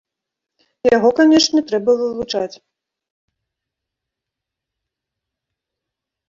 Яго, канешне, трэба вывучаць.